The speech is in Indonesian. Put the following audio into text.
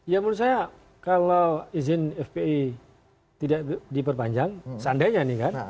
ya menurut saya kalau izin fpi tidak diperpanjang seandainya ini kan